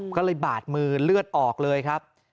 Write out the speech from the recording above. ก็เลยบาดมือเลือดออกเลยครับ